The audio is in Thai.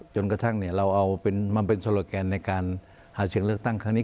จนกระทั่งเราเอามาเป็นโซโลแกนในการหาเสียงเลือกตั้งครั้งนี้